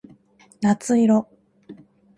夏色